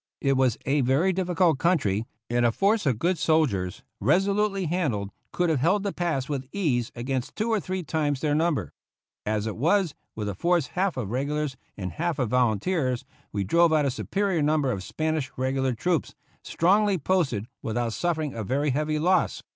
It was a very difficult country, and a force of good soldiers resolutely handled could have held the pass with ease against two or three times their number. As it was, with a force half of regulars and half of volunteers, we drove out a superior number of Spanish regular troops, strongly posted, without suffering a very heavy loss.